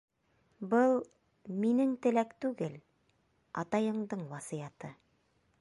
Был минең теләк түгел, атайыңдың васыяты.